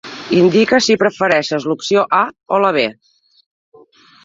Indica si prefereixes l'opció A o la B